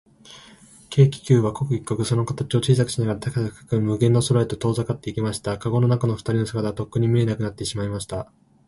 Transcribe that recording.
軽気球は、刻一刻、その形を小さくしながら、高く高く、無限の空へと遠ざかっていきました。かごの中のふたりの姿は、とっくに見えなくなっていました。